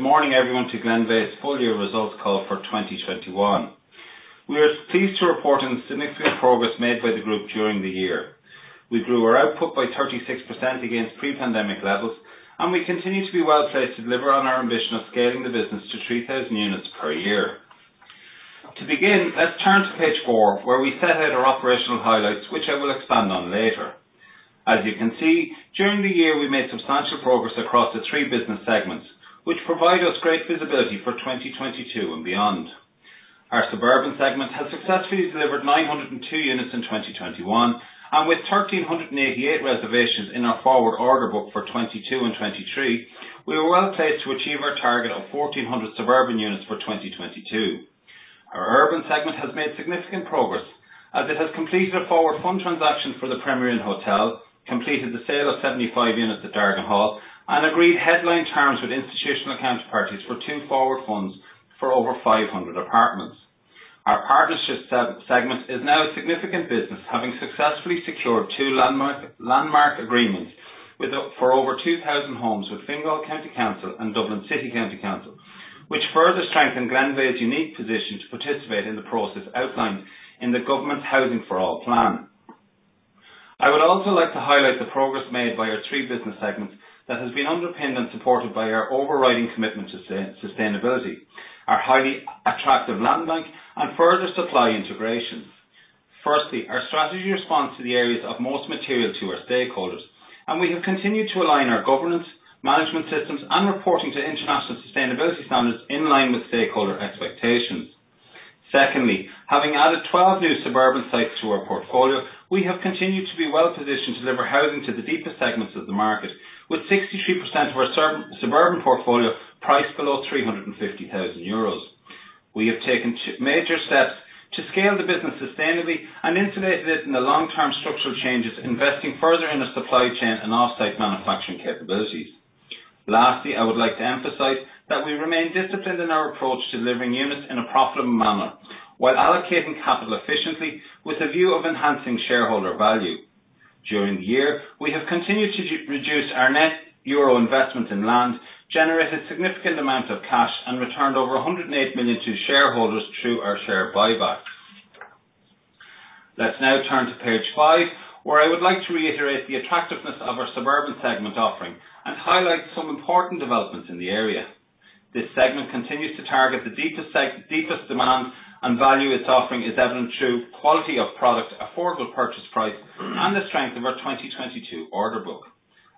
Good morning, everyone, to Glenveagh's full year results call for 2021. We are pleased to report on the significant progress made by the group during the year. We grew our output by 36% against pre-pandemic levels, and we continue to be well placed to deliver on our ambition of scaling the business to 3,000 units per year. To begin, let's turn to page 4, where we set out our operational highlights, which I will expand on later. As you can see, during the year, we made substantial progress across the three business segments, which provide us great visibility for 2022 and beyond. Our Suburban segment has successfully delivered 902 units in 2021, and with 1,388 reservations in our forward order book for 2022 and 2023, we were well placed to achieve our target of 1,400 Suburban units for 2022. Our Urban segment has made significant progress as it has completed a forward fund transaction for the Premier Inn hotel, completed the sale of 75 units at Dargan Hall and agreed headline terms with institutional counterparties for two forward funds for over 500 apartments. Our Partnership segment is now a significant business, having successfully secured two landmark agreements for over 2,000 homes with Fingal County Council and Dublin City Council, which further strengthen Glenveagh's unique position to participate in the process outlined in the government's Housing for All plan. I would also like to highlight the progress made by our three business segments that has been underpinned and supported by our overriding commitment to sustainability, our highly attractive land bank and further supply integrations. Firstly, our strategic response to the areas of most material to our stakeholders, and we have continued to align our governance, management systems and reporting to international sustainability standards in line with stakeholder expectations. Secondly, having added 12 new suburban sites to our portfolio, we have continued to be well positioned to deliver housing to the deepest segments of the market, with 63% of our suburban portfolio priced below 350,000 euros. We have taken two major steps to scale the business sustainably and insulate it against long-term structural changes, investing further in a supply chain and offsite manufacturing capabilities. Lastly, I would like to emphasize that we remain disciplined in our approach to delivering units in a profitable manner while allocating capital efficiently with a view of enhancing shareholder value. During the year, we have continued to reduce our net euro investment in land, generated significant amounts of cash, and returned over 108 million to shareholders through our share buyback. Let's now turn to page 5, where I would like to reiterate the attractiveness of our suburban segment offering and highlight some important developments in the area. This segment continues to target the deepest demand and value. Its offering is evident through quality of product, affordable purchase price, and the strength of our 2022 order book.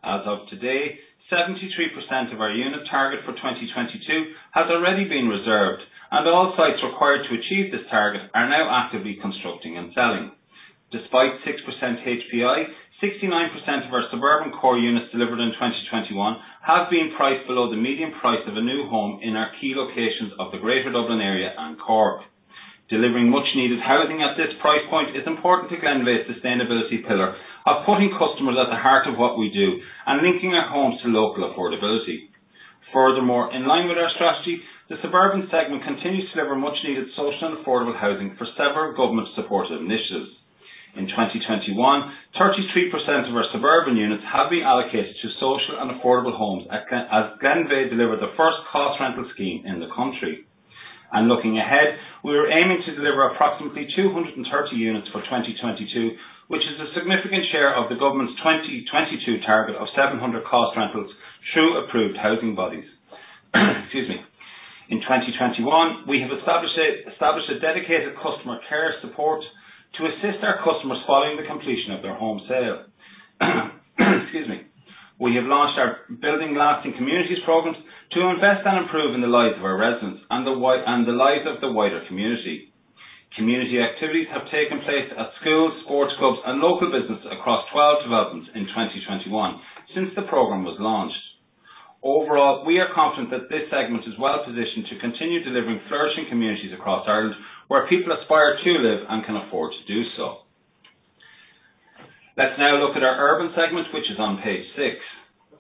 As of today, 73% of our unit target for 2022 has already been reserved, and all sites required to achieve this target are now actively constructing and selling. Despite 6% HPI, 69% of our suburban core units delivered in 2021 have been priced below the median price of a new home in our key locations of the Greater Dublin area and Cork. Delivering much needed housing at this price point is important to Glenveagh's sustainability pillar of putting customers at the heart of what we do and linking our homes to local affordability. Furthermore, in line with our strategy, the suburban segment continues to deliver much needed social and affordable housing for several government supported initiatives. In 2021, 33% of our suburban units have been allocated to social and affordable homes as Glenveagh delivered the first cost rental scheme in the country. Looking ahead, we are aiming to deliver approximately 230 units for 2022, which is a significant share of the government's 2022 target of 700 cost rentals through approved housing bodies. Excuse me. In 2021, we have established a dedicated customer care support to assist our customers following the completion of their home sale. Excuse me. We have launched our Building Lasting Communities programs to invest and improve in the lives of our residents and the lives of the wider community. Community activities have taken place at schools, sports clubs and local businesses across 12 developments in 2021 since the program was launched. Overall, we are confident that this segment is well positioned to continue delivering flourishing communities across Ireland, where people aspire to live and can afford to do so. Let's now look at our urban segment, which is on page 6.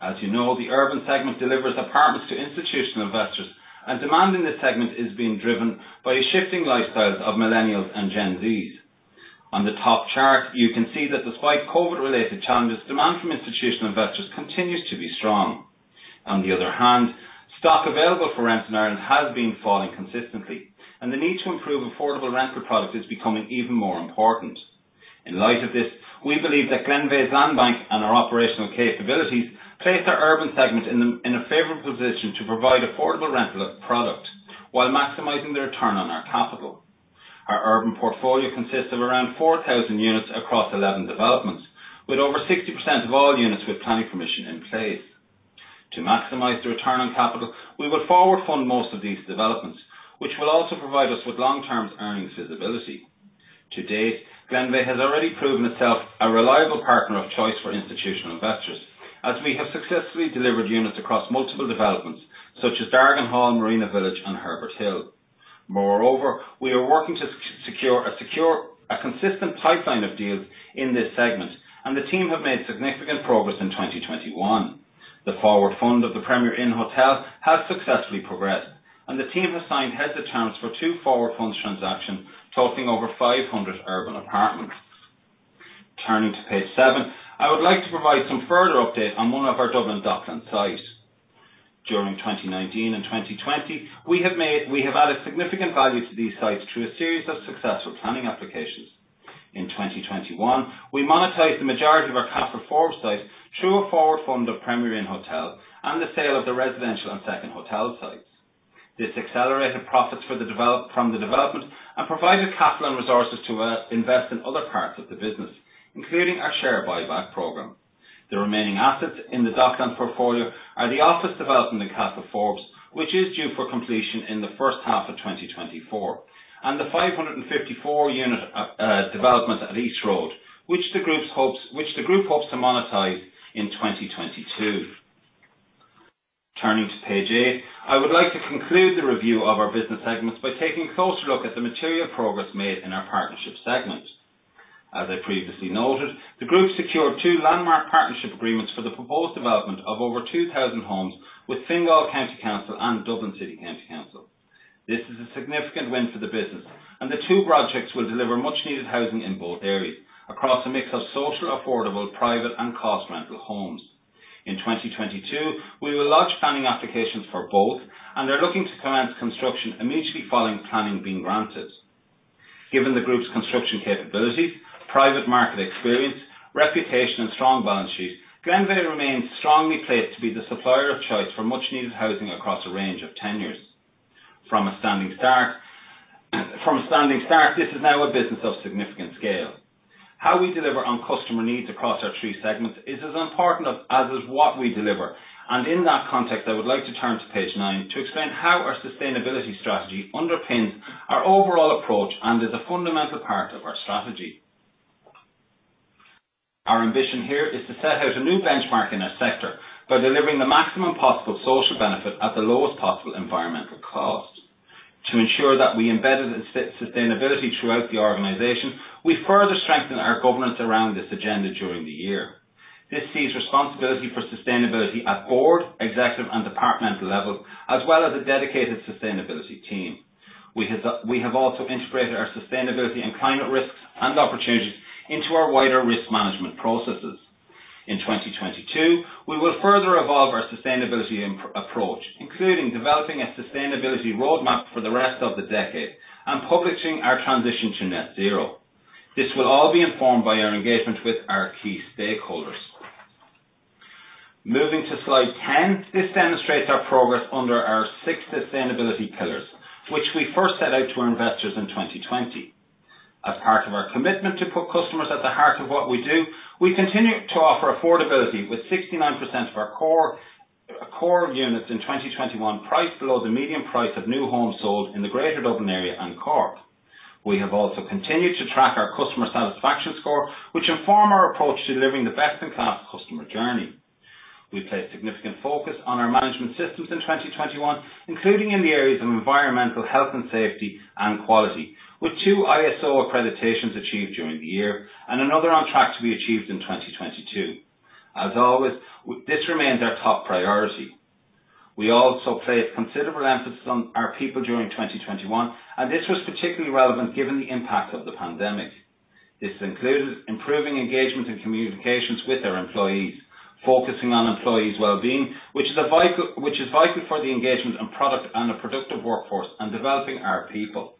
As you know, the urban segment delivers apartments to institutional investors, and demand in this segment is being driven by shifting lifestyles of millennials and Gen Z. On the top chart, you can see that despite COVID-related challenges, demand from institutional investors continues to be strong. On the other hand, stock available for rent in Ireland has been falling consistently, and the need to improve affordable rental products is becoming even more important. In light of this, we believe that Glenveagh's land bank and our operational capabilities place our urban segment in a favorable position to provide affordable rental product while maximizing the return on our capital. Our urban portfolio consists of around 4,000 units across 11 developments, with over 60% of all units with planning permission in place. To maximize the return on capital, we will forward fund most of these developments, which will also provide us with long term earnings visibility. To date, Glenveagh has already proven itself a reliable partner of choice for institutional investors as we have successfully delivered units across multiple developments such as Dargan Hall, Marina Village and Herbert Hill. Moreover, we are working to secure a consistent pipeline of deals in this segment, and the team have made significant progress in 2021. The forward fund of the Premier Inn Hotel has successfully progressed and the team has signed heads of terms for two forward fund transactions totaling over 500 urban apartments. Turning to page 7. I would like to provide some further update on one of our Dublin dockland sites. During 2019 and 2020, we have added significant value to these sites through a series of successful planning applications. In 2021, we monetized the majority of our Castleforbes site through a forward fund of Premier Inn hotel and the sale of the residential and second hotel sites. This accelerated profits from the development and provided capital and resources to invest in other parts of the business, including our share buyback program. The remaining assets in the Docklands portfolio are the office development in Castleforbes, which is due for completion in the first half of 2024, and the 554-unit development at East Road, which the group hopes to monetize in 2022. Turning to page 8. I would like to conclude the review of our business segments by taking a closer look at the material progress made in our partnership segment. As I previously noted, the group secured two landmark partnership agreements for the proposed development of over 2,000 homes with Fingal County Council and Dublin City Council. This is a significant win for the business, and the two projects will deliver much needed housing in both areas across a mix of social, affordable, private, and cost rental homes. In 2022, we will lodge planning applications for both, and they're looking to commence construction immediately following planning being granted. Given the group's construction capabilities, private market experience, reputation, and strong balance sheet, Glenveagh remains strongly placed to be the supplier of choice for much needed housing across a range of tenures. From a standing start, this is now a business of significant scale. How we deliver on customer needs across our three segments is as important as what we deliver. In that context, I would like to turn to page nine to explain how our sustainability strategy underpins our overall approach and is a fundamental part of our strategy. Our ambition here is to set out a new benchmark in our sector by delivering the maximum possible social benefit at the lowest possible environmental cost. To ensure that we embedded and fit sustainability throughout the organization, we further strengthened our governance around this agenda during the year. This sees responsibility for sustainability at board, executive, and departmental level, as well as a dedicated sustainability team. We have also integrated our sustainability and climate risks and opportunities into our wider risk management processes. In 2022, we will further evolve our sustainability approach, including developing a sustainability roadmap for the rest of the decade and publishing our transition to net zero. This will all be informed by our engagement with our key stakeholders. Moving to slide 10. This demonstrates our progress under our six sustainability pillars, which we first set out to our investors in 2020. As part of our commitment to put customers at the heart of what we do, we continue to offer affordability with 69% of our core units in 2021 priced below the median price of new homes sold in the Greater Dublin area and Cork. We have also continued to track our customer satisfaction score, which inform our approach to delivering the best in class customer journey. We placed significant focus on our management systems in 2021, including in the areas of environmental health and safety and quality, with two ISO accreditations achieved during the year and another on track to be achieved in 2022. As always, this remains our top priority. We also placed considerable emphasis on our people during 2021, and this was particularly relevant given the impact of the pandemic. This included improving engagement and communications with our employees, focusing on employees' well-being, which is vital for the engagement and productivity and a productive workforce and developing our people.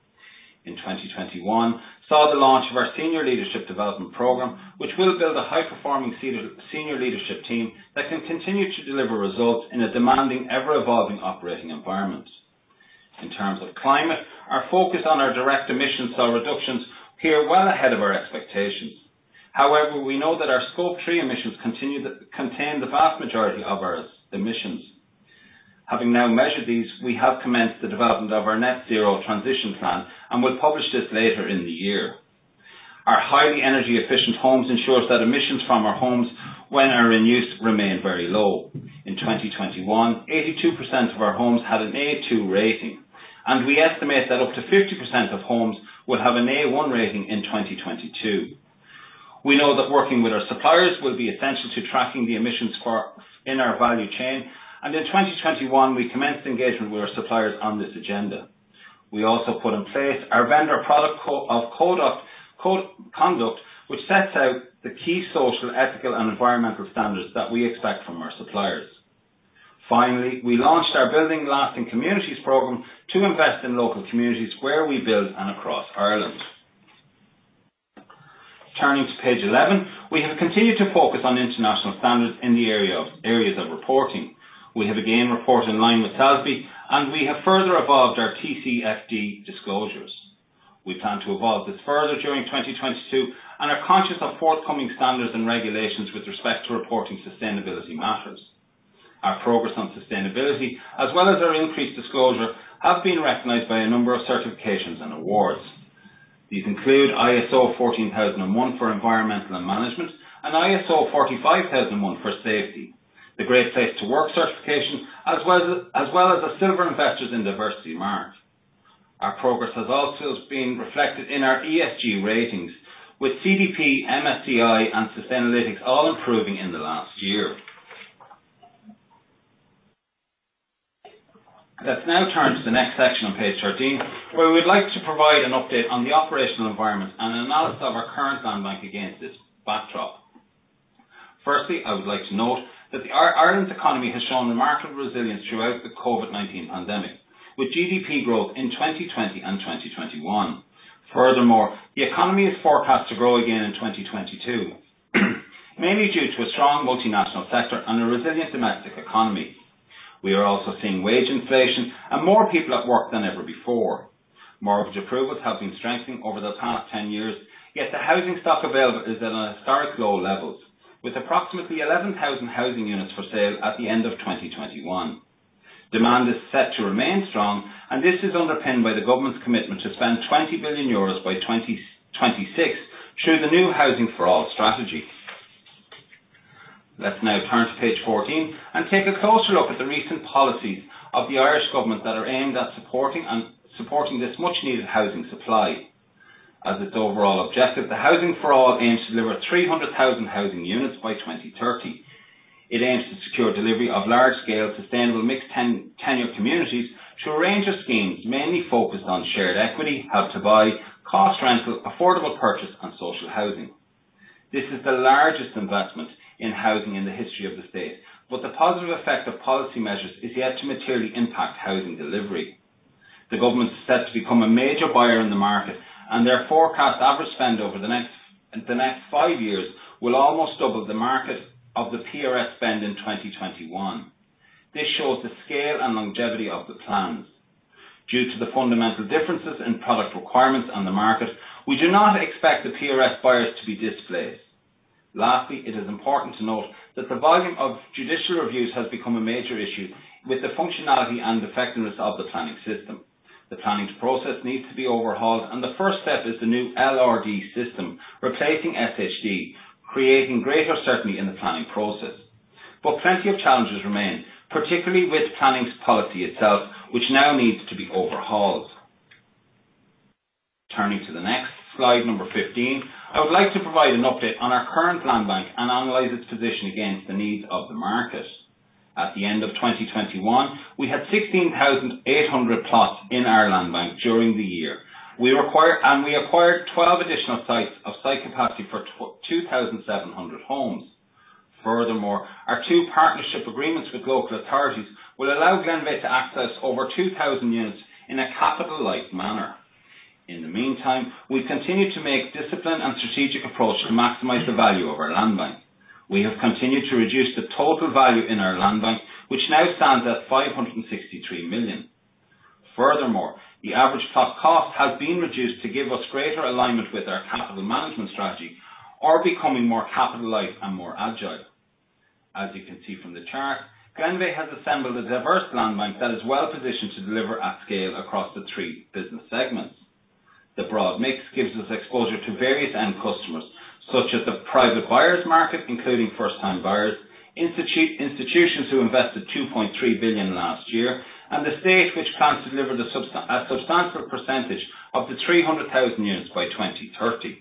In 2021, we saw the launch of our senior leadership development program, which will build a high-performing senior leadership team that can continue to deliver results in a demanding, ever-evolving operating environment. In terms of climate, our focus on our direct emissions saw reductions here well ahead of our expectations. However, we know that our Scope 3 emissions contain the vast majority of our emissions. Having now measured these, we have commenced the development of our net zero transition plan and will publish this later in the year. Our highly energy efficient homes ensures that emissions from our homes when they are in use remain very low. In 2021, 82% of our homes had an A2 rating, and we estimate that up to 50% of homes will have an A1 rating in 2022. We know that working with our suppliers will be essential to tracking the emissions in our value chain. In 2021, we commenced engagement with our suppliers on this agenda. We also put in place our vendor code of conduct, which sets out the key social, ethical, and environmental standards that we expect from our suppliers. Finally, we launched our Building Lasting Communities program to invest in local communities where we build and across Ireland. Turning to page 11. We have continued to focus on international standards in the areas of reporting. We have again reported in line with SASB, and we have further evolved our TCFD disclosures. We plan to evolve this further during 2022 and are conscious of forthcoming standards and regulations with respect to reporting sustainability matters. Our progress on sustainability, as well as our increased disclosure, have been recognized by a number of certifications and awards. These include ISO 14001 for environmental management and ISO 45001 for safety, the Great Place to Work certification, as well as a Silver Investors in Diversity mark. Our progress has also been reflected in our ESG ratings with CDP, MSCI, and Sustainalytics all improving in the last year. Let's now turn to the next section on page 13, where we'd like to provide an update on the operational environment and analysis of our current land bank against this backdrop. I would like to note that Ireland's economy has shown remarkable resilience throughout the COVID-19 pandemic, with GDP growth in 2020 and 2021. Furthermore, the economy is forecast to grow again in 2022, mainly due to a strong multinational sector and a resilient domestic economy. We are also seeing wage inflation and more people at work than ever before. Mortgage approvals have been strengthening over the past 10 years, yet the housing stock available is at historically low levels, with approximately 11,000 housing units for sale at the end of 2021. Demand is set to remain strong, and this is underpinned by the government's commitment to spend euros 20 billion by 2026 through the new Housing for All strategy. Let's now turn to page 14 and take a closer look at the recent policies of the Irish government that are aimed at supporting this much needed housing supply. As its overall objective, the Housing for All aims to deliver 300,000 housing units by 2030. It aims to secure delivery of large scale, sustainable mixed tenure communities through a range of schemes, mainly focused on shared equity, Help to Buy, cost rental, affordable purchase and social housing. This is the largest investment in housing in the history of the state, but the positive effect of policy measures is yet to materially impact housing delivery. The government is set to become a major buyer in the market, and their forecast average spend over the next five years will almost double the market of the PRS spend in 2021. This shows the scale and longevity of the plans. Due to the fundamental differences in product requirements on the market, we do not expect the PRS buyers to be displaced. Lastly, it is important to note that the volume of judicial reviews has become a major issue with the functionality and effectiveness of the planning system. The planning process needs to be overhauled and the first step is the new LRD system, replacing SHD, creating greater certainty in the planning process. Plenty of challenges remain, particularly with planning policy itself, which now needs to be overhauled. Turning to the next slide, 15. I would like to provide an update on our current land bank and analyze its position against the needs of the market. At the end of 2021, we had 16,800 plots in our land bank during the year. We acquired 12 additional sites with site capacity for 2,700 homes. Furthermore, our two partnership agreements with local authorities will allow Glenveagh to access over 2,000 units in a capital light manner. In the meantime, we continue to take a disciplined and strategic approach to maximize the value of our land bank. We have continued to reduce the total value in our land bank, which now stands at 563 million. Furthermore, the average plot cost has been reduced to give us greater alignment with our capital management strategy of becoming more capital light and more agile. As you can see from the chart, Glenveagh has assembled a diverse land bank that is well-positioned to deliver at scale across the three business segments. The broad mix gives us exposure to various end customers such as the private buyers market, including first-time buyers, institutions who invested 2.3 billion last year, and the state which plans to deliver a substantial percentage of the 300,000 units by 2030.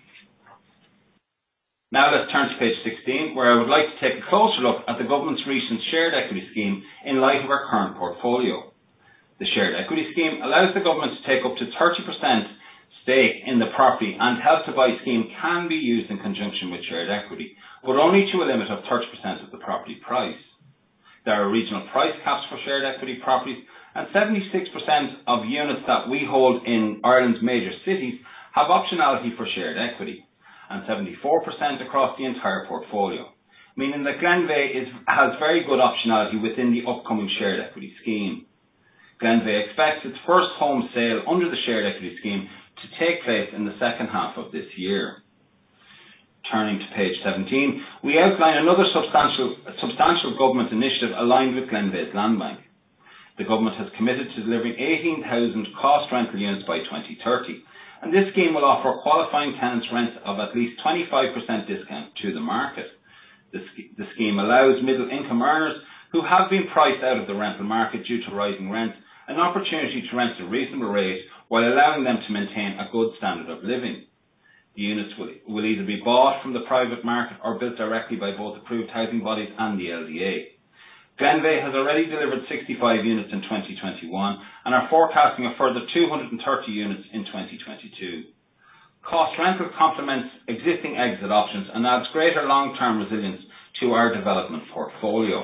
Now let's turn to page 16, where I would like to take a closer look at the government's recent Shared Equity scheme in light of our current portfolio. The Shared Equity scheme allows the government to take up to 30% stake in the property, and Help to Buy scheme can be used in conjunction with Shared Equity, but only to a limit of 30% of the property price. There are regional price caps for shared equity properties, and 76% of units that we hold in Ireland's major cities have optionality for shared equity, and 74% across the entire portfolio, meaning that Glenveagh has very good optionality within the upcoming shared equity scheme. Glenveagh expects its first home sale under the shared equity scheme to take place in the second half of this year. Turning to page 17, we outline another substantial government initiative aligned with Glenveagh's land bank. The government has committed to delivering 18,000 cost rental units by 2030, and this scheme will offer qualifying tenants rents of at least 25% discount to the market. The scheme allows middle income earners who have been priced out of the rental market due to rising rents an opportunity to rent a reasonable rate while allowing them to maintain a good standard of living. The units will either be bought from the private market or built directly by both approved housing bodies and the LDA. Glenveagh has already delivered 65 units in 2021 and are forecasting a further 230 units in 2022. cost rental complements existing exit options and adds greater long-term resilience to our development portfolio.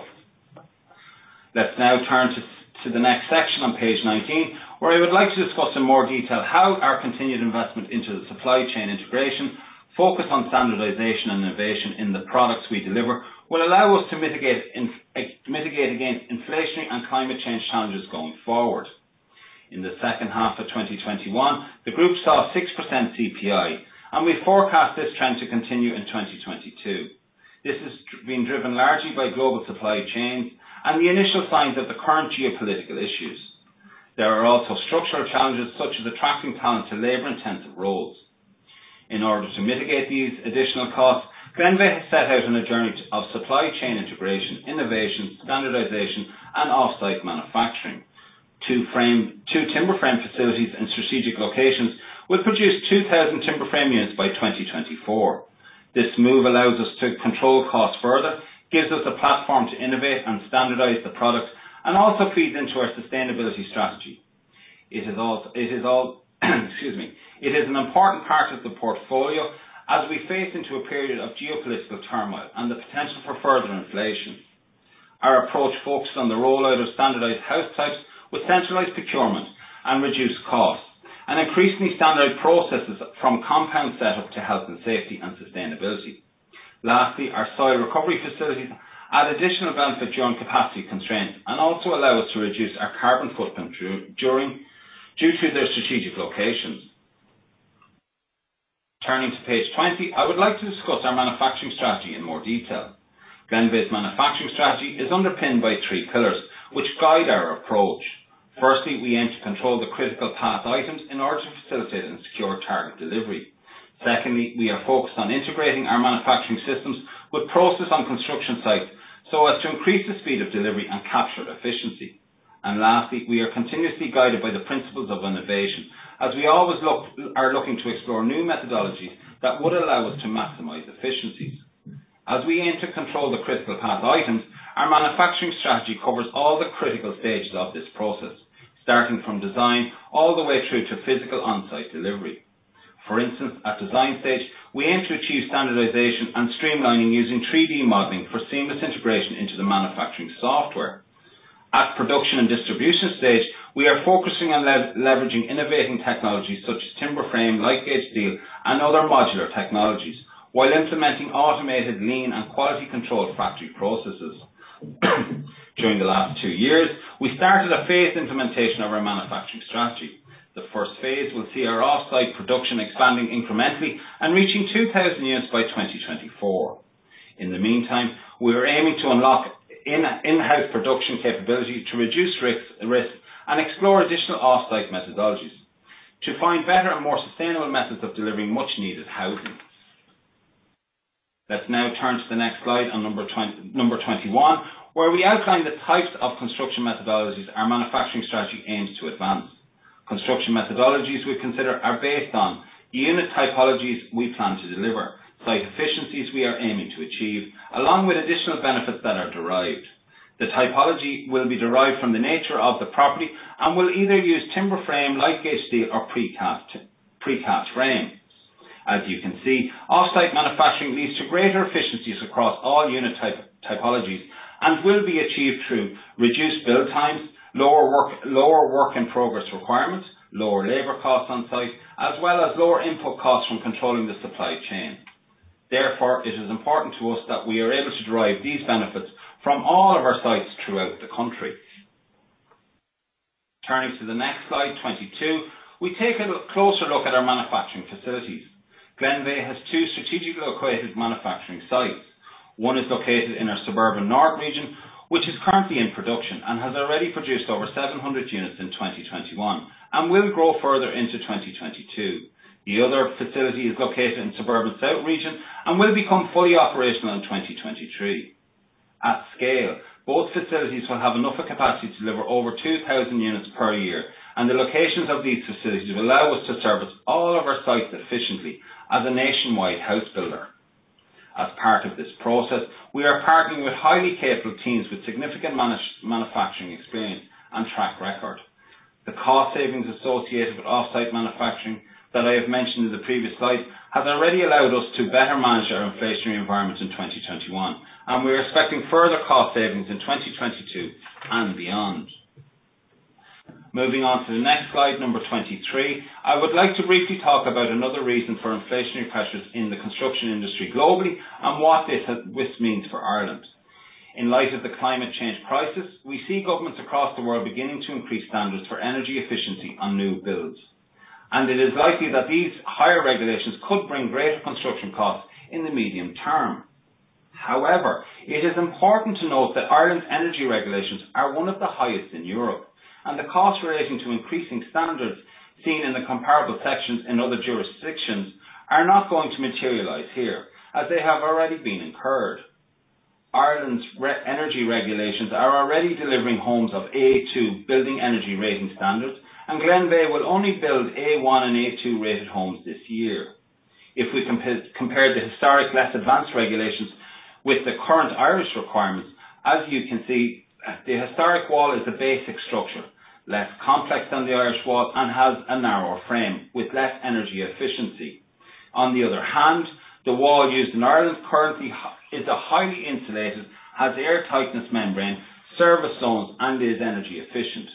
Let's now turn to the next section on page 19, where I would like to discuss in more detail how our continued investment into the supply chain integration, focus on standardization and innovation in the products we deliver, will allow us to mitigate against inflationary and climate change challenges going forward. In the second half of 2021, the group saw 6% CPI, and we forecast this trend to continue in 2022. This has been driven largely by global supply chains and the initial signs of the current geopolitical issues. There are also structural challenges such as attracting talent to labor-intensive roles. In order to mitigate these additional costs, Glenveagh has set out on a journey of supply chain integration, innovation, standardization, and off-site manufacturing. Two timber frame facilities in strategic locations will produce 2,000 timber frame units by 2024. This move allows us to control costs further, gives us a platform to innovate and standardize the products, and also feeds into our sustainability strategy. It is an important part of the portfolio as we face into a period of geopolitical turmoil and the potential for further inflation. Our approach focuses on the rollout of standardized house types with centralized procurement and reduced costs, and increasingly standardized processes from compound setup to health and safety and sustainability. Lastly, our soil recovery facilities add additional benefit during capacity constraints and also allow us to reduce our carbon footprint due to their strategic locations. Turning to page 20, I would like to discuss our manufacturing strategy in more detail. Glenveagh's manufacturing strategy is underpinned by three pillars, which guide our approach. Firstly, we aim to control the critical path items in order to facilitate and secure target delivery. Secondly, we are focused on integrating our manufacturing systems with processes on construction sites so as to increase the speed of delivery and capture efficiency. Lastly, we are continuously guided by the principles of innovation as we always are looking to explore new methodologies that would allow us to maximize efficiencies. We aim to control the critical path items. Our manufacturing strategy covers all the critical stages of this process, starting from design all the way through to physical on-site delivery. For instance, at design stage, we aim to achieve standardization and streamlining using 3D modeling for seamless integration into the manufacturing software. At production and distribution stage, we are focusing on leveraging innovative technologies such as timber frame, light gauge steel, and other modular technologies, while implementing automated lean and quality control factory processes. During the last two years, we started a phased implementation of our manufacturing strategy. The first phase will see our off-site production expanding incrementally and reaching 2,000 units by 2024. In the meantime, we are aiming to unlock in-house production capability to reduce risk and explore additional off-site methodologies to find better and more sustainable methods of delivering much needed housing. Let's now turn to the next slide on number 21, where we outline the types of construction methodologies our manufacturing strategy aims to advance. Construction methodologies we consider are based on unit typologies we plan to deliver, site efficiencies we are aiming to achieve, along with additional benefits that are derived. The typology will be derived from the nature of the property and will either use timber frame, light gauge steel, or precast frames. As you can see, off-site manufacturing leads to greater efficiencies across all unit type, typologies and will be achieved through reduced build times, lower work in progress requirements, lower labor costs on site, as well as lower input costs from controlling the supply chain. Therefore, it is important to us that we are able to derive these benefits from all of our sites throughout the country. Turning to the next slide, 22, we take a closer look at our manufacturing facilities. Glenveagh has two strategically located manufacturing sites. One is located in our suburban north region, which is currently in production and has already produced over 700 units in 2021 and will grow further into 2022. The other facility is located in suburban south region and will become fully operational in 2023. At scale, both facilities will have enough capacity to deliver over 2,000 units per year, and the locations of these facilities will allow us to service all of our sites efficiently as a nationwide house builder. As part of this process, we are partnering with highly capable teams with significant manufacturing experience and track record. The cost savings associated with off-site manufacturing that I have mentioned in the previous slide have already allowed us to better manage our inflationary environment in 2021, and we are expecting further cost savings in 2022 and beyond. Moving on to the next slide, number 23, I would like to briefly talk about another reason for inflationary pressures in the construction industry globally and what this means for Ireland. In light of the climate change crisis, we see governments across the world beginning to increase standards for energy efficiency on new builds. It is likely that these higher regulations could bring greater construction costs in the medium term. However, it is important to note that Ireland's energy regulations are one of the highest in Europe, and the cost relating to increasing standards seen in the comparable sections in other jurisdictions are not going to materialize here as they have already been incurred. Ireland's energy regulations are already delivering homes of A2 Building Energy Rating standards, and Glenveagh will only build A1 and A2 rated homes this year. If we compare the historic less advanced regulations with the current Irish requirements, as you can see, the historic wall is the basic structure, less complex than the Irish wall and has a narrower frame with less energy efficiency. On the other hand, the wall used in Ireland currently is a highly insulated, has air tightness membrane, service zones, and is energy efficient.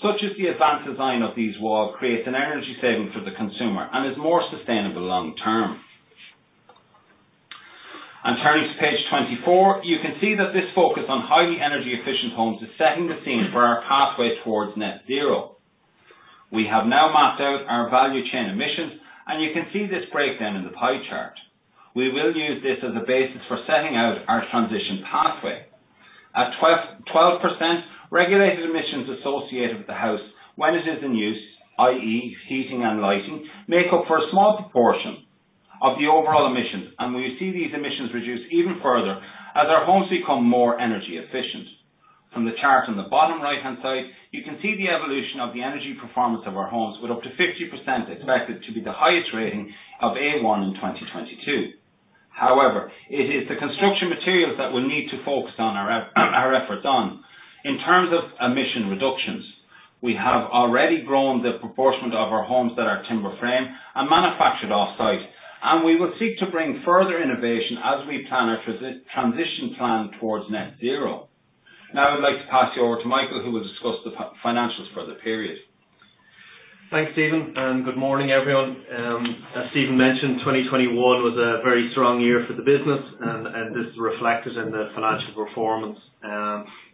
Such as the advanced design of these walls creates an energy saving for the consumer and is more sustainable long term. Turning to page 24, you can see that this focus on highly energy efficient homes is setting the scene for our pathway towards net zero. We have now mapped out our value chain emissions, and you can see this breakdown in the pie chart. We will use this as a basis for setting out our transition pathway. At 12%, regulated emissions associated with the house when it is in use, i.e. heating and lighting, make up for a small proportion of the overall emissions, and we see these emissions reduce even further as our homes become more energy efficient. From the chart on the bottom right-hand side, you can see the evolution of the energy performance of our homes with up to 50% expected to be the highest rating of A1 in 2022. However, it is the construction materials that we'll need to focus on our efforts on. In terms of emission reductions, we have already grown the proportion of our homes that are timber frame and manufactured off-site, and we will seek to bring further innovation as we plan our transition plan towards net zero. Now I'd like to pass you over to Michael, who will discuss the financials for the period. Thanks, Stephen, and good morning, everyone. As Stephen mentioned, 2021 was a very strong year for the business and this is reflected in the financial performance.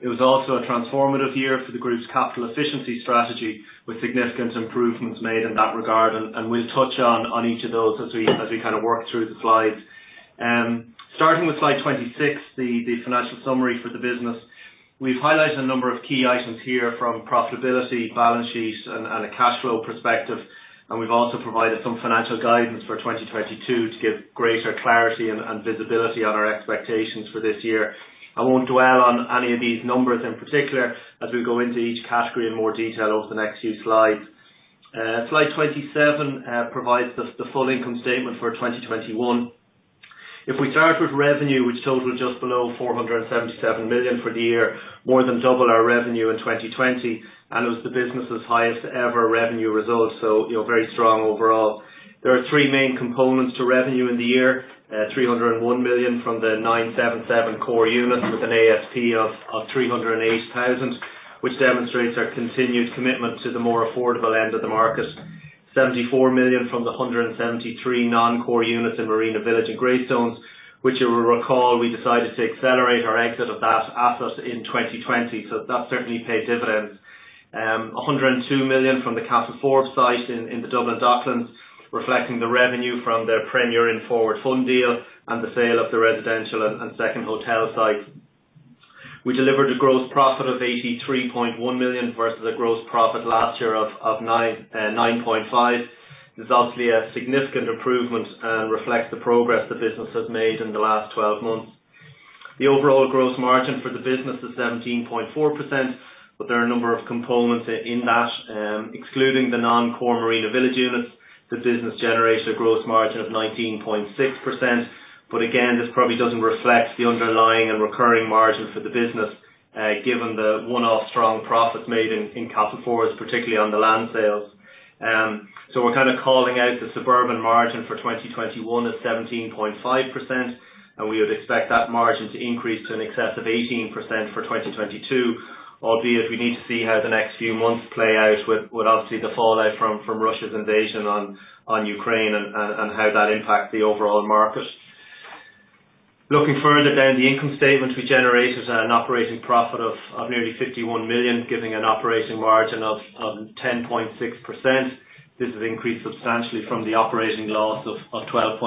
It was also a transformative year for the group's capital efficiency strategy with significant improvements made in that regard, and we'll touch on each of those as we work through the slides. Starting with slide 26, the financial summary for the business. We've highlighted a number of key items here from profitability, balance sheets and a cash flow perspective, and we've also provided some financial guidance for 2022 to give greater clarity and visibility on our expectations for this year. I won't dwell on any of these numbers in particular as we go into each category in more detail over the next few slides. Slide 27 provides the full income statement for 2021. If we start with revenue, which totaled just below 477 million for the year, more than double our revenue in 2020, and it was the business's highest ever revenue results, so you know, very strong overall. There are three main components to revenue in the year. 301 million from the 977 core units with an ASP of 308,000, which demonstrates our continued commitment to the more affordable end of the market. 74 million from the 173 non-core units in Marina Village and Greystones, which you will recall we decided to accelerate our exit of that asset in 2020, so that certainly paid dividends. 102 million from the Castleforbes site in the Dublin Docklands, reflecting the revenue from their Premier Inn forward fund deal and the sale of the residential and second hotel site. We delivered a gross profit of 83.1 million versus a gross profit last year of 9.5 million. This is obviously a significant improvement and reflects the progress the business has made in the last 12 months. The overall gross margin for the business is 17.4%, but there are a number of components in that. Excluding the non-core Marina Village units, the business generated a gross margin of 19.6%. Again, this probably doesn't reflect the underlying and recurring margins for the business, given the one-off strong profits made in Castleforbes, particularly on the land sales. We're kind of calling out the suburban margin for 2021 as 17.5%, and we would expect that margin to increase to in excess of 18% for 2022, albeit we need to see how the next few months play out with obviously the fallout from Russia's invasion on Ukraine and how that impacts the overall market. Looking further down the income statement, we generated an operating profit of nearly 51 million, giving an operating margin of 10.6%. This has increased substantially from the operating loss of 12.7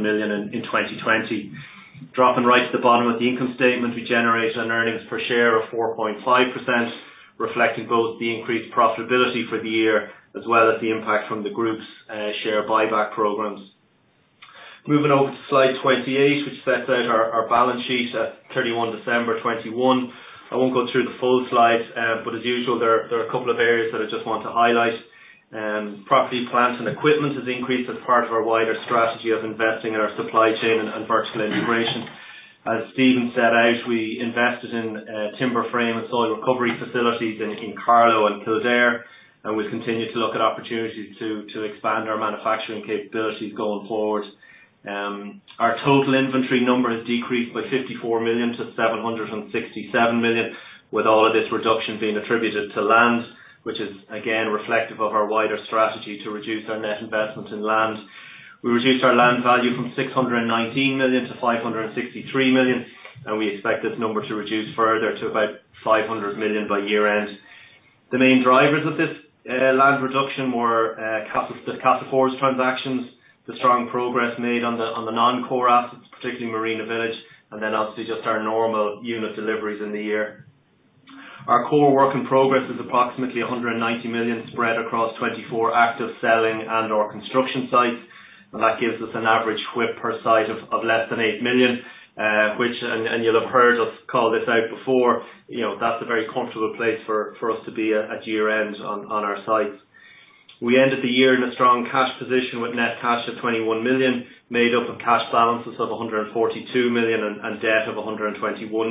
million in 2020. Dropping right to the bottom of the income statement, we generated an earnings per share of 4.5%, reflecting both the increased profitability for the year as well as the impact from the group's share buyback programs. Moving over to slide 28, which sets out our balance sheet at 31 December 2021. I won't go through the full slides, but as usual, there are a couple of areas that I just want to highlight. Property, plant, and equipment has increased as part of our wider strategy of investing in our supply chain and virtual integration. As Stephen set out, we invested in timber frame and soil recovery facilities in Carlow and Kildare, and we've continued to look at opportunities to expand our manufacturing capabilities going forward. Our total inventory number has decreased by 54 million to 767 million, with all of this reduction being attributed to land, which is again reflective of our wider strategy to reduce our net investment in land. We reduced our land value from 619 million to 563 million, and we expect this number to reduce further to about 500 million by year-end. The main drivers of this land reduction were Castleforbes transactions, the strong progress made on the non-core assets, particularly Marina Village, and then obviously just our normal unit deliveries in the year. Our core work in progress is approximately 190 million spread across 24 active selling and/or construction sites, and that gives us an average WIP per site of less than 8 million, which, and you'll have heard us call this out before, you know, that's a very comfortable place for us to be at year-end on our sites. We ended the year in a strong cash position with net cash of 21 million, made up of cash balances of 142 million and debt of 121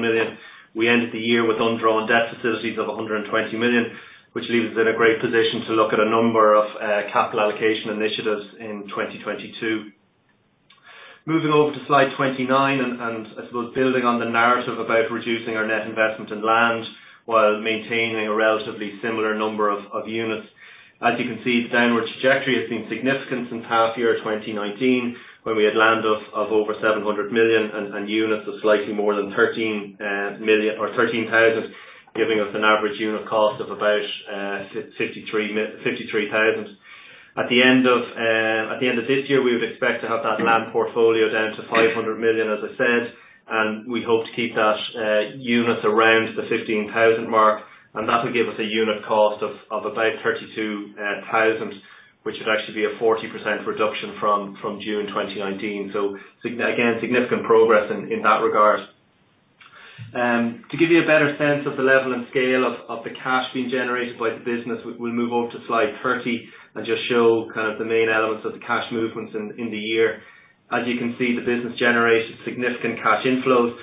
million. We ended the year with undrawn debt facilities of 120 million, which leaves us in a great position to look at a number of capital allocation initiatives in 2022. Moving over to slide 29 and I suppose building on the narrative about reducing our net investment in land while maintaining a relatively similar number of units. As you can see, the downward trajectory has been significant since half year 2019, when we had land of over 700 million and units of slightly more than 13,000, giving us an average unit cost of about 53,000. At the end of this year, we would expect to have that land portfolio down to 500 million, as I said, and we hope to keep that units around the 15,000 mark, and that will give us a unit cost of about 32,000. Which would actually be a 40% reduction from June 2019. Again, significant progress in that regard. To give you a better sense of the level and scale of the cash being generated by the business, we'll move over to slide 30 and just show kind of the main elements of the cash movements in the year. As you can see, the business generated significant cash inflows.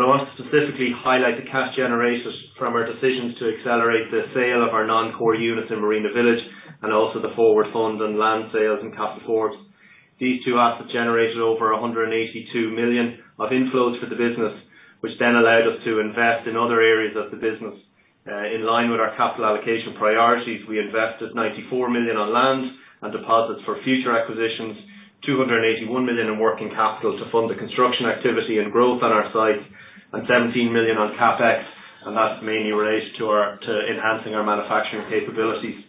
I want to specifically highlight the cash generated from our decisions to accelerate the sale of our non-core units in Marina Village, and also the forward fund and land sales in Castleforbes. These two assets generated over 182 million of inflows for the business, which then allowed us to invest in other areas of the business. In line with our capital allocation priorities, we invested 94 million on land and deposits for future acquisitions, 281 million in working capital to fund the construction activity and growth on our site, and 17 million on CapEx, and that's mainly related to enhancing our manufacturing capabilities.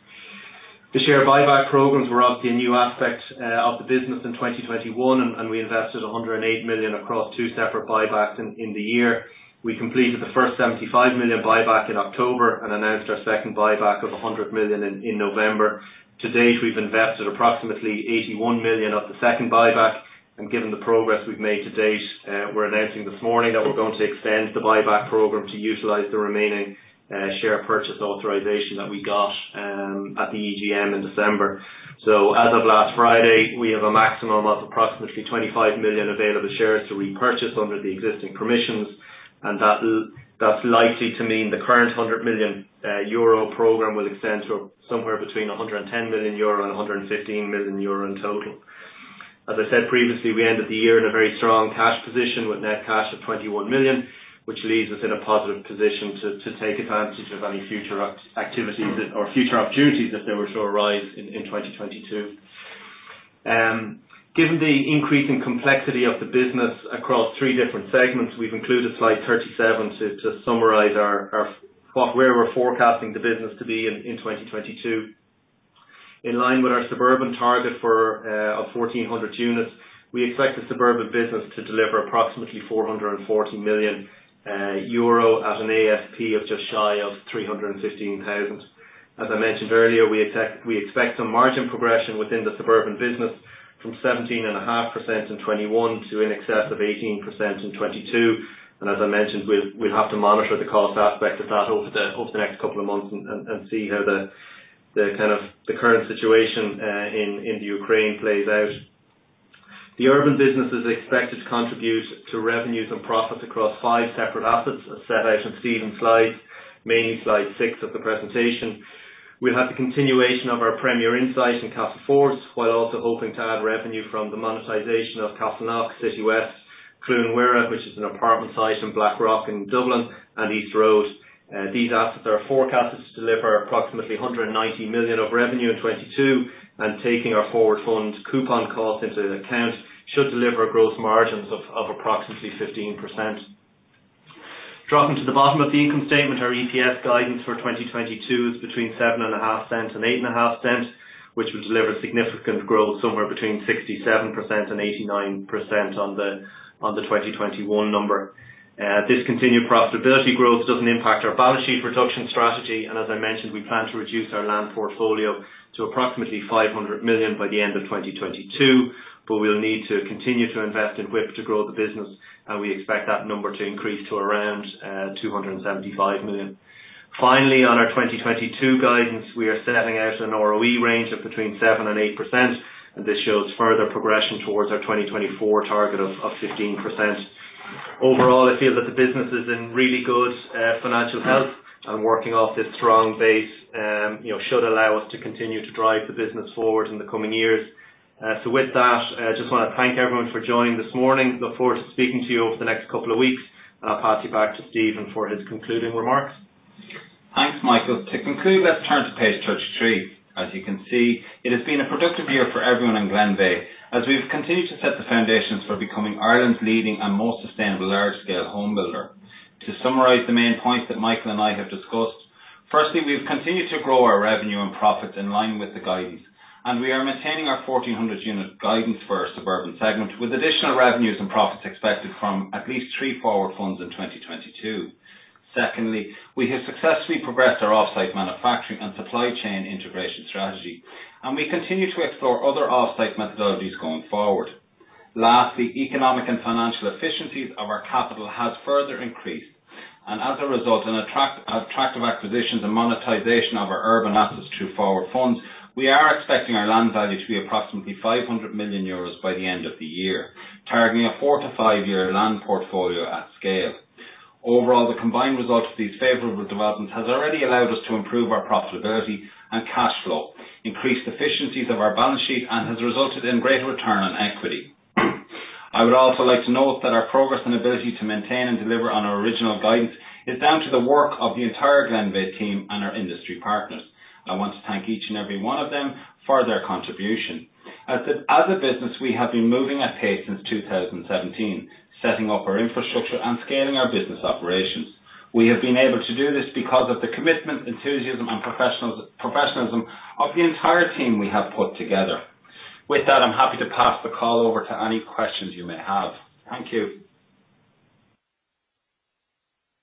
The share buyback programs were obviously a new aspect of the business in 2021, and we invested 108 million across two separate buybacks in the year. We completed the first 75 million buyback in October, and announced our second buyback of 100 million in November. To date, we've invested approximately 81 million of the second buyback, and given the progress we've made to date, we're announcing this morning that we're going to extend the buyback program to utilize the remaining share purchase authorization that we got at the EGM in December. As of last Friday, we have a maximum of approximately 25 million available shares to repurchase under the existing permissions, and that's likely to mean the current 100 million euro program will extend to somewhere between 110 million euro and 115 million euro in total. As I said previously, we ended the year in a very strong cash position with net cash of 21 million, which leaves us in a positive position to take advantage of any future activities or future opportunities if they were to arise in 2022. Given the increasing complexity of the business across three different segments, we've included slide 37 to just summarize what we're forecasting the business to be in 2022. In line with our suburban target of 1,400 units, we expect the suburban business to deliver approximately 440 million euro at an ASP of just shy of 315,000. As I mentioned earlier, we expect some margin progression within the suburban business from 17.5% in 2021 to in excess of 18% in 2022. As I mentioned, we'll have to monitor the cost aspect of that over the next couple of months and see how the current situation in the Ukraine plays out. The urban business is expected to contribute to revenues and profits across five separate assets, as set out in Stephen's slides, mainly slide 6 of the presentation. We'll have the continuation of our Premier Inn site in Castleforbes, while also hoping to add revenue from the monetization of Castleknock, Citywest, Cluain Mhuire, which is an apartment site in Blackrock in Dublin, and East Road. These assets are forecasted to deliver approximately 190 million of revenue in 2022, and taking our forward fund coupon calls into account, should deliver gross margins of approximately 15%. Dropping to the bottom of the income statement, our EPS guidance for 2022 is between 0.075 and 0.085, which would deliver significant growth somewhere between 67% and 89% on the 2021 number. This continued profitability growth doesn't impact our balance sheet reduction strategy, and as I mentioned, we plan to reduce our land portfolio to approximately 500 million by the end of 2022, but we'll need to continue to invest in WIP to grow the business, and we expect that number to increase to around 275 million. Finally, on our 2022 guidance, we are setting out an ROE range of between 7% and 8%, and this shows further progression towards our 2024 target of 15%. Overall, I feel that the business is in really good financial health and working off this strong base, you know, should allow us to continue to drive the business forward in the coming years. With that, I just wanna thank everyone for joining this morning. I look forward to speaking to you over the next couple of weeks, and I'll pass you back to Stephen for his concluding remarks. Thanks, Michael. To conclude, let's turn to page 33. As you can see, it has been a productive year for everyone in Glenveagh as we've continued to set the foundations for becoming Ireland's leading and most sustainable large scale home builder. To summarize the main points that Michael and I have discussed, firstly, we've continued to grow our revenue and profit in line with the guidance, and we are maintaining our 1,400 unit guidance for our suburban segment, with additional revenues and profits expected from at least three forward funds in 2022. Secondly, we have successfully progressed our off-site manufacturing and supply chain integration strategy, and we continue to explore other off-site methodologies going forward. Lastly, economic and financial efficiencies of our capital has further increased. As a result, attractive acquisitions and monetization of our urban assets through forward funds, we are expecting our land value to be approximately 500 million euros by the end of the year, targeting a four- to five-year land portfolio at scale. Overall, the combined result of these favorable developments has already allowed us to improve our profitability and cash flow, increased efficiencies of our balance sheet, and has resulted in greater return on equity. I would also like to note that our progress and ability to maintain and deliver on our original guidance is down to the work of the entire Glenveagh team and our industry partners. I want to thank each and every one of them for their contribution. As a business, we have been moving at pace since 2017, setting up our infrastructure and scaling our business operations. We have been able to do this because of the commitment, enthusiasm, and professionalism of the entire team we have put together. With that, I'm happy to pass the call over to any questions you may have. Thank you.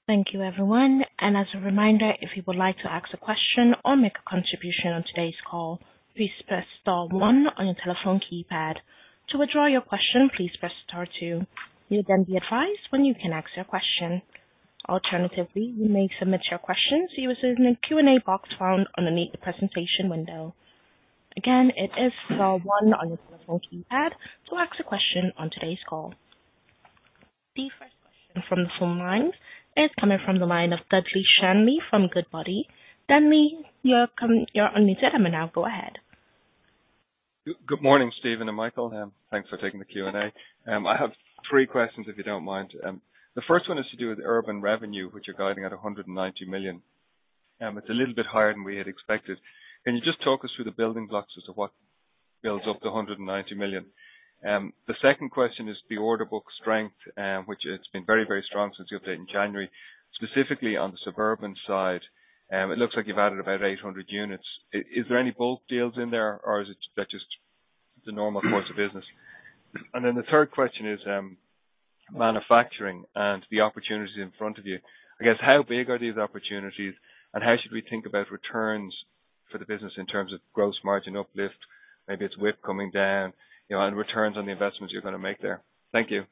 Thank you everyone. As a reminder, if you would like to ask a question or make a contribution on today's call, please press star one on your telephone keypad. To withdraw your question, please press star two. You'll then be advised when you can ask your question. Alternatively, you may submit your questions using the Q&A box found underneath the presentation window. Again, it is star one on your telephone keypad to ask a question on today's call. The first question from the phone lines is coming from the line of Dudley Shanley from Goodbody. Dudley, you're unmuted. Now go ahead. Good morning, Stephen and Michael, and thanks for taking the Q&A. I have three questions, if you don't mind. The first one has to do with urban revenue, which you're guiding at 190 million. It's a little bit higher than we had expected. Can you just talk us through the building blocks as to what builds up to 190 million? The second question is the order book strength, which it's been very, very strong since you updated in January. Specifically on the suburban side, it looks like you've added about 800 units. Is there any bulk deals in there or is it that's just the normal course of business? The third question is manufacturing and the opportunities in front of you. I guess, how big are these opportunities and how should we think about returns for the business in terms of gross margin uplift? Maybe it's with it coming down, you know, and returns on the investments you're gonna make there. Thank you.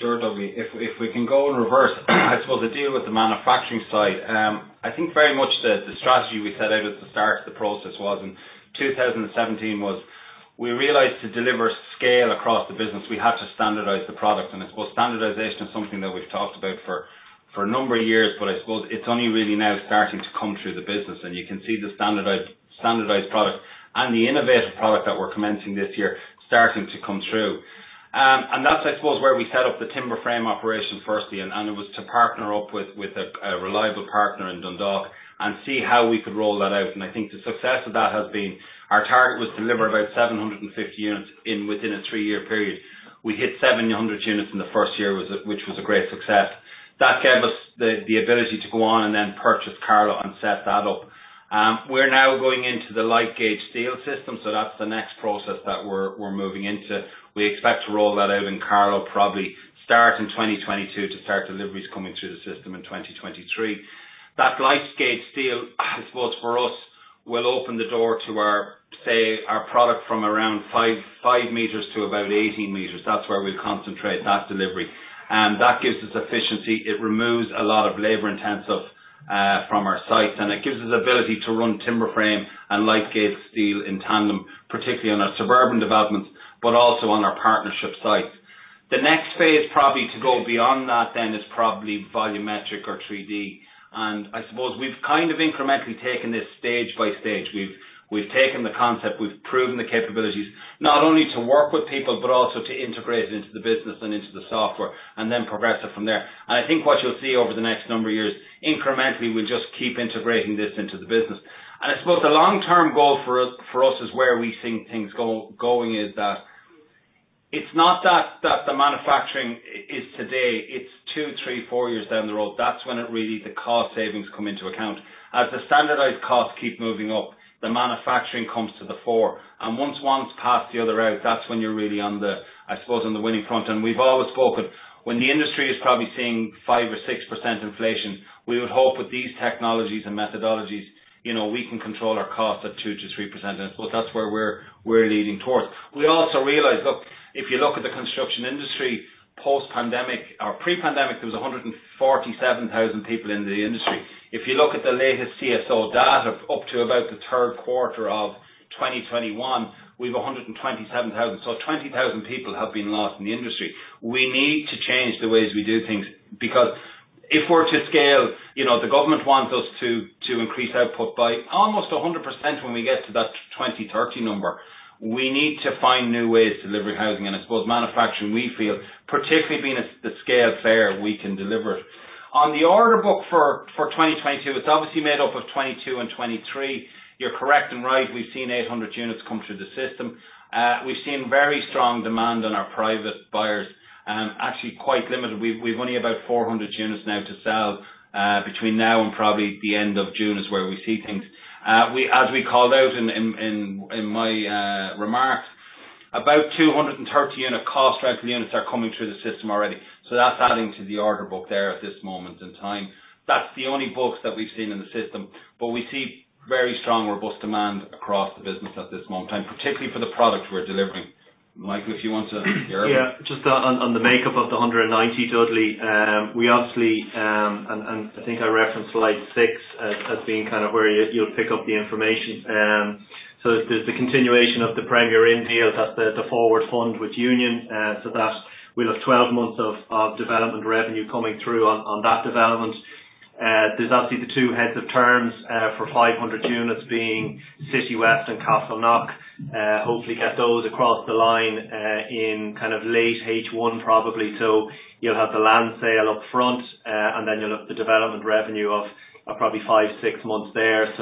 Sure, Dudley. If we can go in reverse, I suppose the detail with the manufacturing side. I think very much the strategy we set out at the start of the process was, in 2017, we realized to deliver scale across the business, we had to standardize the product. I suppose standardization is something that we've talked about for a number of years, but I suppose it's only really now starting to come through the business. You can see the standardized product and the innovative product that we're commencing this year starting to come through. That's, I suppose, where we set up the timber frame operation firstly, and it was to partner up with a reliable partner in Dundalk and see how we could roll that out. I think the success of that has been our target was to deliver about 750 units within a three-year period. We hit 700 units in the first year, which was a great success. That gave us the ability to go on and then purchase Carlow and set that up. We're now going into the light gauge steel system, so that's the next process that we're moving into. We expect to roll that out in Carlow, probably start in 2022 to start deliveries coming through the system in 2023. That light gauge steel, I suppose for us, will open the door to our, say, our product from around 5.5 meters to about 18 meters. That's where we'll concentrate that delivery. That gives us efficiency. It removes a lot of labor-intensive from our sites, and it gives us ability to run timber frame and light gauge steel in tandem, particularly on our suburban developments, but also on our partnership sites. The next phase probably to go beyond that then is probably volumetric or 3D. I suppose we've kind of incrementally taken this stage by stage. We've taken the concept, we've proven the capabilities not only to work with people, but also to integrate it into the business and into the software and then progress it from there. I think what you'll see over the next number of years, incrementally we'll just keep integrating this into the business. I suppose the long-term goal for us is where we think things going is that it's not that the manufacturing is today, it's two, three, four years down the road. That's when it really the cost savings come into account. As the standardized costs keep moving up, the manufacturing comes to the fore. Once one's past the other out, that's when you're really on the, I suppose on the winning front. We've always spoken, when the industry is probably seeing 5% or 6% inflation, we would hope with these technologies and methodologies, you know, we can control our costs at 2%-3%. I suppose that's where we're leaning towards. We also realize, look, if you look at the construction industry, post-pandemic or pre-pandemic, there was 147,000 people in the industry. If you look at the latest CSO data up to about the third quarter of 2021, we've 127,000. 20,000 peoples have been lost in the industry. We need to change the ways we do things because if we're to scale, you know, the government wants us to increase output by almost 100% when we get to that 2030 number. We need to find new ways to deliver housing. I suppose manufacturing, we feel particularly being at the scale of Glenveagh, we can deliver it. On the order book for 2022, it's obviously made up of 2022 and 2023. You're correct and right. We've seen 800 units come through the system. We've seen very strong demand on our private buyers. Actually quite limited. We've only about 400 units now to sell between now and probably the end of June is where we see things. As we called out in my remarks, about 230 unit cost rental units are coming through the system already. That's adding to the order book there at this moment in time. That's the only books that we've seen in the system, but we see very strong robust demand across the business at this moment in time, particularly for the products we're delivering. Michael, if you want to elaborate. Yeah. Just on the makeup of the 190, Dudley. We obviously and I think I referenced slide 6 as being kind of where you'll pick up the information. There's the continuation of the Premier Inn deal. That's the forward fund with Union. That we'll have 12 months of development revenue coming through on that development. There's obviously the two heads of terms for 500 units being Citywest and Castleknock. Hopefully get those across the line in kind of late H1 probably. You'll have the land sale up front, and then you'll have the development revenue of probably five to six months there.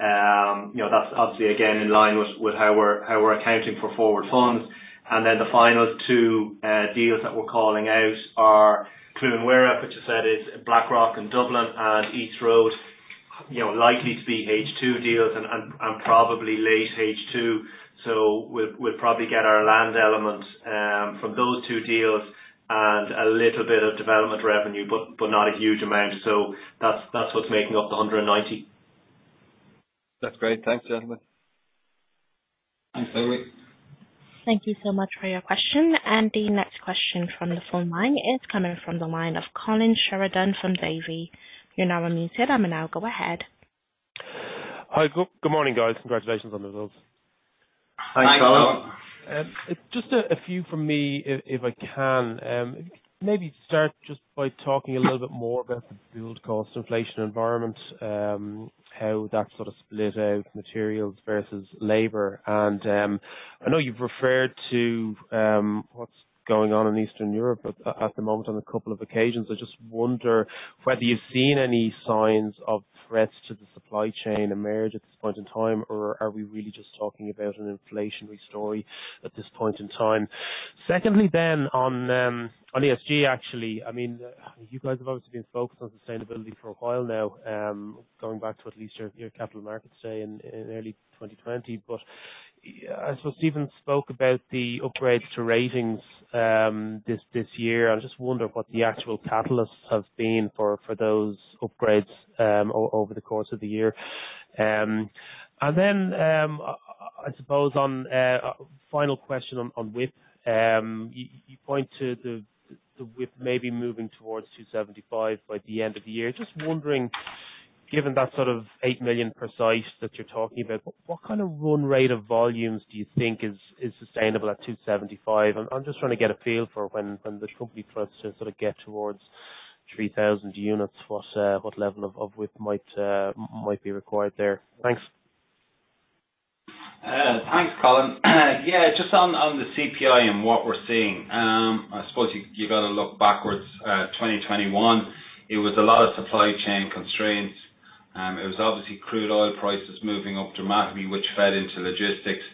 You know, that's obviously again, in line with how we're accounting for forward funds. The final two deals that we're calling out are Cluain Mhuire, which I said is Blackrock in Dublin, and East Road. You know, likely to be H2 deals and probably late H2. We'll probably get our lands elements from those two deals and a little bit of development revenue, but not a huge amount. That's what's making up the 190. That's great. Thanks, gentlemen. Thanks, Dudley Shanley. Thank you so much for your question. The next question from the phone line is coming from the line of Colin Sheridan from Davy. You're now unmuted, and now go ahead. Hi. Good morning, guys. Congratulations on the results. Thanks, Colin. Just a few from me if I can. Maybe start just by talking a little bit more about the build cost inflation environment, how that sort of split out materials versus labor. I know you've referred to what's going on in Eastern Europe at the moment on a couple of occasions. I just wonder whether you've seen any signs of threats to the supply chain emerge at this point in time, or are we really just talking about an inflationary story at this point in time? Secondly, on ESG, actually, I mean, you guys have obviously been focused on sustainability for a while now, going back to at least your capital markets day in early 2020. I suppose Stephen spoke about the upgrades to ratings this year. I just wonder what the actual catalysts have been for those upgrades over the course of the year. I suppose on final question on ASP. You point to the ASP maybe moving towards 275 by the end of the year. Just wondering, given that sort of 8 million price that you're talking about, what kind of run rate of volumes do you think is sustainable at 275? I'm just trying to get a feel for when the company starts to sort of get towards 3,000 units, what level of ASP might be required there. Thanks. Thanks, Colin. Yeah, just on the CPI and what we're seeing, I suppose you gotta look backwards at 2021. It was a lot of supply chain constraints. It was obviously crude oil prices moving up dramatically, which fed into logistics,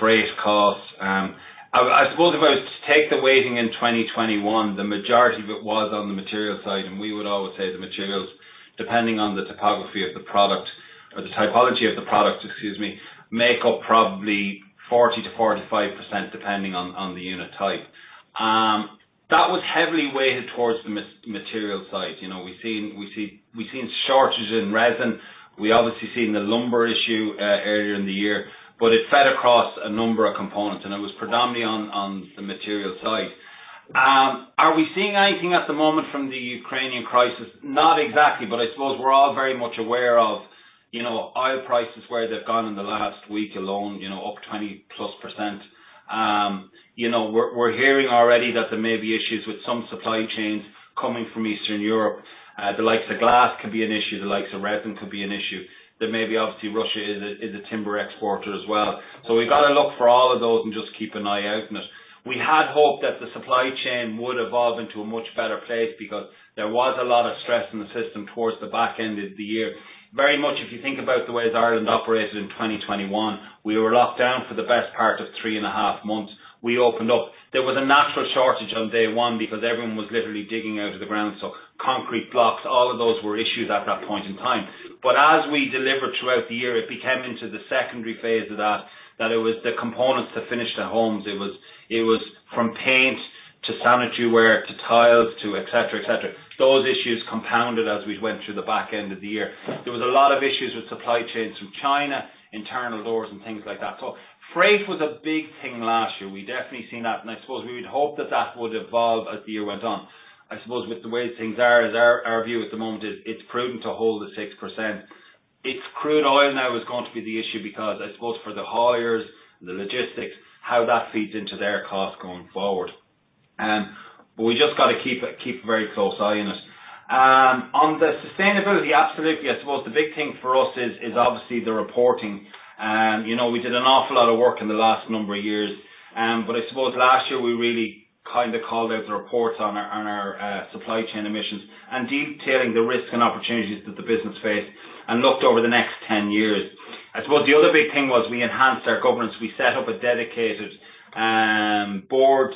freight costs. I suppose if I take the weighting in 2021, the majority of it was on the material side, and we would always say the materials, depending on the topography of the product or the typology of the product, excuse me, make up probably 40%-45%, depending on the unit type. That was heavily weighted towards the material side. You know, we've seen shortages in resin. We obviously seen the lumber issue earlier in the year, but it fed across a number of components, and it was predominantly on the material side. Are we seeing anything at the moment from the Ukrainian crisis? Not exactly, but I suppose we're all very much aware of, you know, oil prices, where they've gone in the last week alone, you know, up 20%+. We're hearing already that there may be issues with some supply chains coming from Eastern Europe. The likes of glass could be an issue, the likes of resin could be an issue. There may be obviously Russia is a timber exporter as well. So we've got to look for all of those and just keep an eye out on it. We had hoped that the supply chain would evolve into a much better place because there was a lot of stress in the system towards the back end of the year. Very much, if you think about the way that Ireland operated in 2021, we were locked down for the best part of three and a half months. We opened up. There was a natural shortage on day one because everyone was literally digging out of the ground. So concrete blocks, all of those were issues at that point in time. But as we delivered throughout the year, it became into the secondary phase of that it was the components to finish the homes. It was from paint to sanitary ware to tiles to et cetera, et cetera. Those issues compounded as we went through the back end of the year. There was a lot of issues with supply chains from China, internal doors and things like that. So freight was a big thing last year. We definitely seen that. I suppose we would hope that that would evolve as the year went on. I suppose with the way things are, our view at the moment is it's prudent to hold the 6%. It's crude oil now is going to be the issue because I suppose for the haulers, the logistics, how that feeds into their cost going forward. We just got to keep a very close eye on it. On the sustainability, absolutely. I suppose the big thing for us is obviously the reporting. You know, we did an awful lot of work in the last number of years. I suppose last year we really kind of called out the reports on our supply chain emissions and detailing the risks and opportunities that the business faced and looked over the next 10 years. I suppose the other big thing was we enhanced our governance. We set up a dedicated board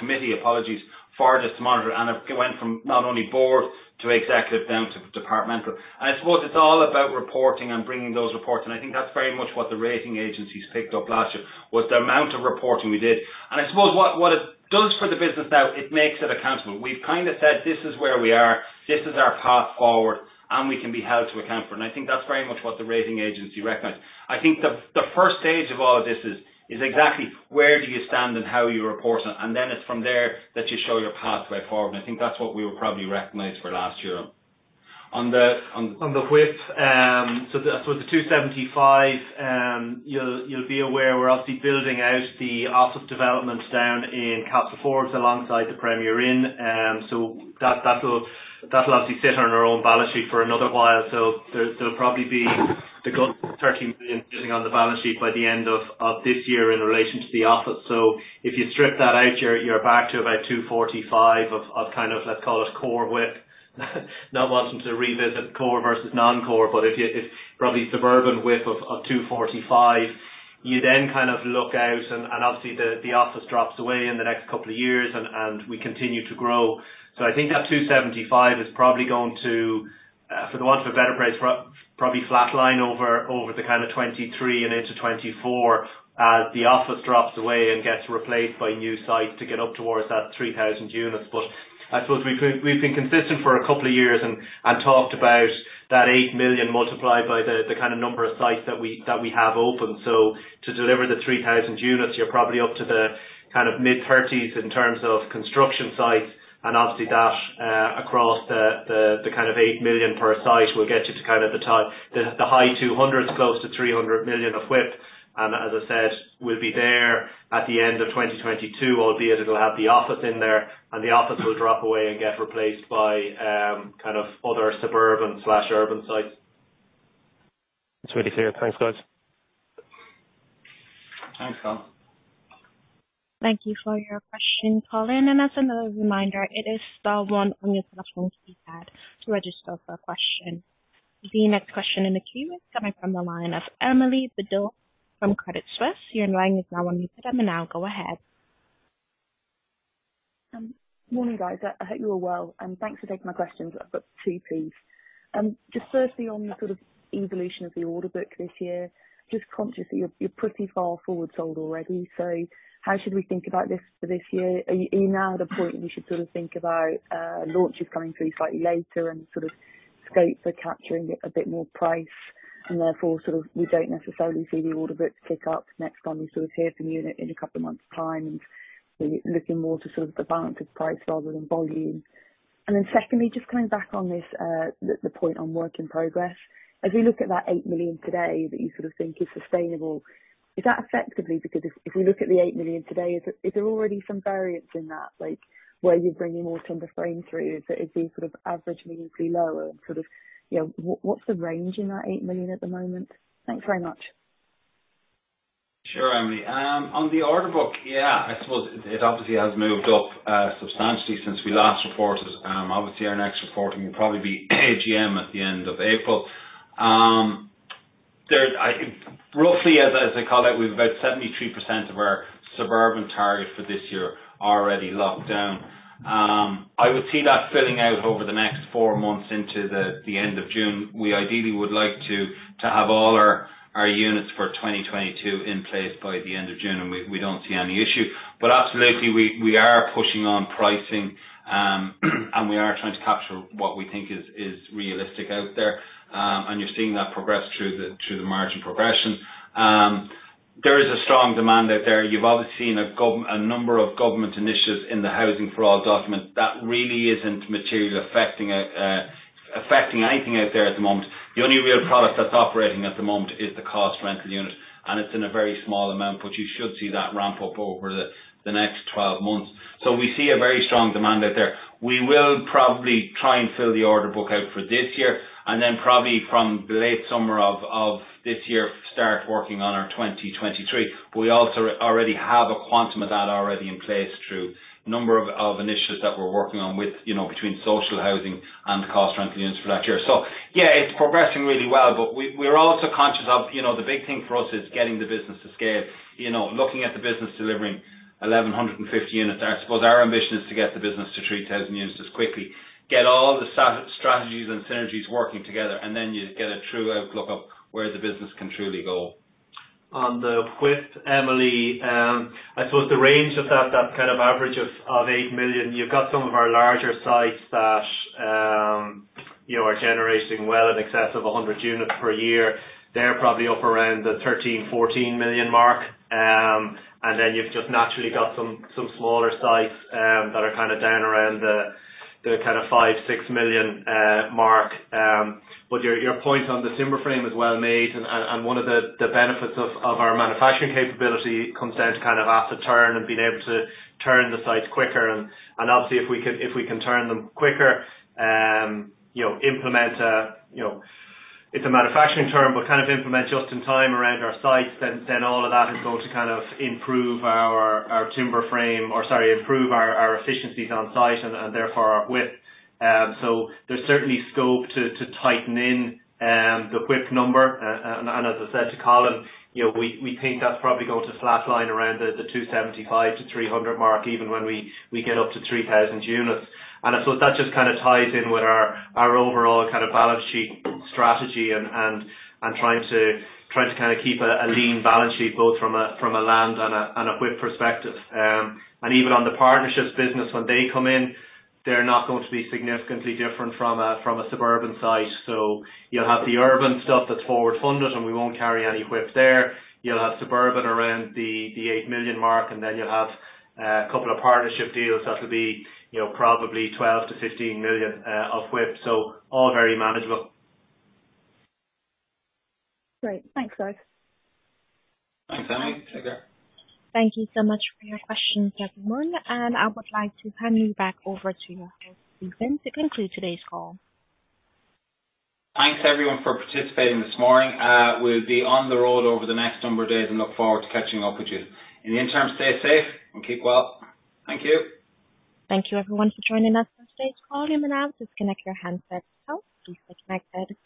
committee, apologies, for this to monitor. It went from not only board to executive, down to departmental. I suppose it's all about reporting and bringing those reports. I think that's very much what the rating agencies picked up last year, was the amount of reporting we did. I suppose what it does for the business now, it makes it accountable. We've kind of said, "This is where we are. This is our path forward, and we can be held to account for it." I think that's very much what the rating agency recognized. I think the first stage of all this is exactly where do you stand and how you report, and then it's from there that you show your pathway forward, and I think that's what we were probably recognized for last year. On the width, so the 275, you'll be aware we're obviously building out the office developments down in Castleforbes alongside the Premier Inn. That'll obviously sit on our own balance sheet for another while. There'll probably be the good 30 million sitting on the balance sheet by the end of this year in relation to the office. If you strip that out, you're back to about 245 of kind of, let's call it core width. Not wanting to revisit core versus non-core, but it's probably suburban width of 245. You then kind of look out and obviously the office drops away in the next couple of years and we continue to grow. I think that 275 is probably going to, for the want of a better phrase, probably flatline over the kind of 2023 and into 2024 as the office drops away and gets replaced by new sites to get up towards that 3,000 units. I suppose we've been consistent for a couple of years and talked about that 8 million multiplied by the kind of number of sites that we have open. To deliver the 3,000 units, you're probably up to the kind of mid-30s in terms of construction sites and obviously that across the kind of 8 million per site will get you to kind of the high 200s close to 300 million of WIP. As I said, we'll be there at the end of 2022, albeit it'll have the office in there, and the office will drop away and get replaced by kind of other suburban/urban sites. It's really clear. Thanks, guys. Thanks, Colin. Thank you for your question, Colin. As another reminder, it is star one on your telephone's keypad to register for a question. The next question in the queue is coming from the line of Emily Vidal from Credit Suisse. Your line is now unmuted, ma'am. Now go ahead. Morning, guys. I hope you're well, and thanks for taking my questions. I've got two, please. Just firstly on the sort of evolution of the order book this year, just conscious that you're pretty far forward sold already, so how should we think about this for this year? Are you now at a point where you should sort of think about launches coming through slightly later and sort of scope for capturing a bit more price and therefore sort of you don't necessarily see the order book kick up next time we sort of hear from you in a couple of months' time and you're looking more to sort of the balance of price rather than volume? Then secondly, just coming back on this, the point on work in progress. As we look at that 8 million today that you sort of think is sustainable, is that effectively because if we look at the 8 million today, is there already some variance in that, like where you're bringing more timber frame through, is the sort of average meaningfully lower and sort of, you know, what's the range in that 8 million at the moment? Thanks very much. Sure, Emily. On the order book, yeah, I suppose it obviously has moved up substantially since we last reported. Obviously our next reporting will probably be AGM at the end of April. I roughly, as I called out, we've about 73% of our suburban target for this year already locked down. I would see that filling out over the next four months into the end of June. We ideally would like to have all our units for 2022 in place by the end of June, and we don't see any issue. Absolutely, we are pushing on pricing, and we are trying to capture what we think is realistic out there. And you're seeing that progress through the margin progression. There is a strong demand out there. You've obviously seen a number of government initiatives in the Housing for All document that really isn't material affecting anything out there at the moment. The only real product that's operating at the moment is the cost rental unit, and it's in a very small amount, but you should see that ramp up over the next 12 months. We see a very strong demand out there. We will probably try and fill the order book out for this year, and then probably from the late summer of this year, start working on our 2023. We also already have a quantum of that already in place through a number of initiatives that we're working on with, you know, between social housing and cost rental units for that year. Yeah, it's progressing really well, but we're also conscious of, you know, the big thing for us is getting the business to scale. You know, looking at the business delivering 1,150 units, I suppose our ambition is to get the business to 3,000 units as quickly. Get all the strategies and synergies working together, and then you get a true outlook of where the business can truly go. On the WIP, Emily, I suppose the range of that kind of average of 8 million. You've got some of our larger sites that, you know, are generating well in excess of 100 units per year. They're probably up around the 13 million to 14 million mark. You've just naturally got some smaller sites that are kind of down around the kind of 5 million to 6 million mark. Your point on the timber frame is well made and one of the benefits of our manufacturing capability comes down to kind of asset turn and being able to turn the sites quicker and obviously if we can turn them quicker, you know, implement just in time around our sites, then all of that is going to kind of improve our timber frame or sorry, improve our efficiencies on site and therefore our WIP. There's certainly scope to tighten in the WIP number. As I said to Colin, you know, we think that's probably going to flatline around the 275-300 mark, even when we get up to 3,000 units. I suppose that just kind of ties in with our overall kind of balance sheet strategy and trying to kind of keep a lean balance sheet both from a land and a WIP perspective. Even on the partnerships business, when they come in, they're not going to be significantly different from a suburban site. You'll have the urban stuff that's forward funded, and we won't carry any WIP there. You'll have suburban around the 8 million mark, and then you'll have a couple of partnership deals that'll be, you know, probably 12 million to 15 million of WIP. All very manageable. Great. Thanks, guys. Thanks, Emily. Take care. Thank you so much for your questions everyone, and I would like to hand you back over to Stephen to conclude today's call. Thanks everyone for participating this morning. We'll be on the road over the next number of days and look forward to catching up with you. In the interim, stay safe and keep well. Thank you. Thank you everyone for joining us for today's call. You may now disconnect your handsets. Thanks for connecting.